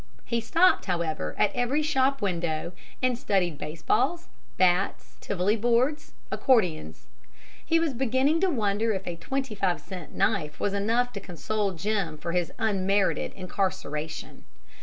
He stopped, however, at every shop window and studied baseballs, bats, tivoli boards, accordions. He was beginning to wonder if a twenty five cent knife was enough to console Jim for his unmerited incarceration.